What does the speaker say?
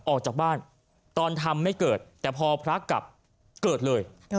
ออกจากบ้านตอนทำไม่เกิดแต่พอพระกลับเกิดเลย